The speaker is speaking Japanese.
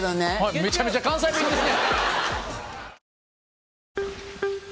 めちゃめちゃ関西弁ですね。